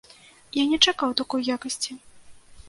Я не чакаў такой якасці!